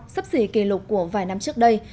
sắp xỉ kỷ lục của vài năm trước đây